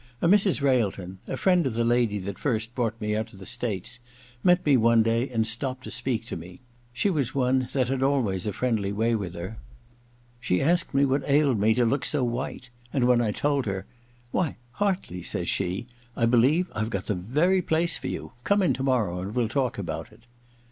A Mrs. Railton, a friend of the lady that first brought me out to the States, met me one day and stopped to speak to me : she was one that had always a friendly way with her. She asked me what ailed me to look so white, and when I told her, * Why, Hartley,' says she, ♦ I believe I've got the very place for you. Come in to morrow and we'll talk about it.'